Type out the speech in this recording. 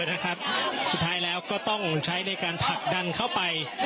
เดี๋ยวต้องใช้การผลักดันเข้าไป